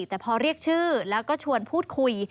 แต่พอเรียกชื่อแล้วก็ชวนพูดคุย